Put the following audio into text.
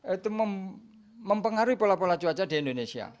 itu mempengaruhi pola pola cuaca di indonesia